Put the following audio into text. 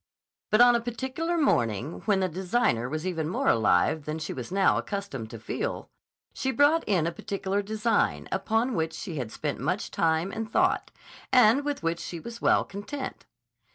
But on a particular morning, when the designer was even more alive than she was now accustomed to feel, she brought in a particular design, upon which she had spent much time and thought, and with which she was well content.